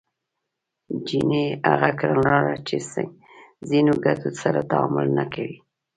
جیني هغه کړنلاره چې ځینو ګټو سره تعامل نه کوي